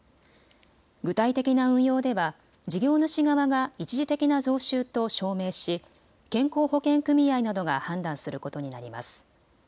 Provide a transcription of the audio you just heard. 具体的な運用では事業主側が一時的な増収と証明し健康保険組合などが判断することになります。